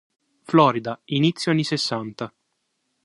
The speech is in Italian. Florida, inizio anni sessanta.